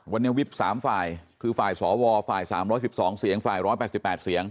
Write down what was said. วันนี้วิบ๓ฝ่ายคือฝ่ายสวฝ่าย๓๑๒เสียงฝ่าย๑๘๘เสียง